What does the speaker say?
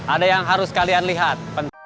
ada yang harus kalian lihat